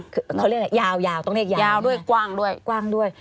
เขาเรียกยาวต้องเรียกยาวยาวด้วยกว้างด้วย